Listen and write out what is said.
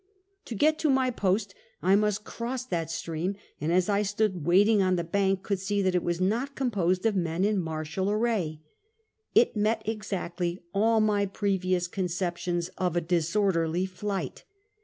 To get to my post, I must cross that stream, and as I stood waiting on the bank, could see that it was not composed of men in martial array. It met exactly all my previous conceptions of a disorderly flight.